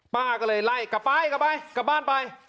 ป้าก็เลยไล่กลับไปกลับไปกลับบ้านไป